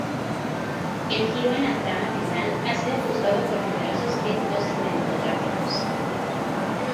El giro en la trama final ha sido juzgado por numerosos críticos cinematográficos.